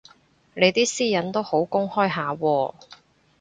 你啲私隱都好公開下喎